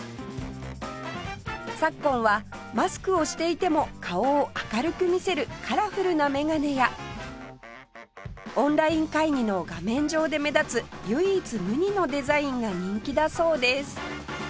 昨今はマスクをしていても顔を明るく見せるカラフルなメガネやオンライン会議の画面上で目立つ唯一無二のデザインが人気だそうです